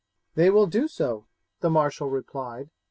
"They will do so," the marshal replied.